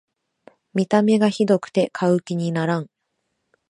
見た目がひどくて買う気にならん